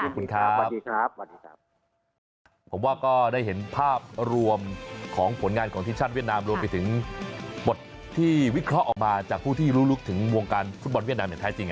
ผมว่าก็ได้เห็นภาพรวมของผลงานของทิศชาติเวียดนามรวมไปถึงบทที่วิเคราะห์ออกมาจากผู้ที่รู้ลุกถึงวงการฟุตบอลเวียดนามอย่างแท้จริง